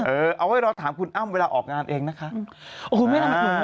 เอาไว้รอถามคุณอ้ำเวลาออกงานเองนะคะ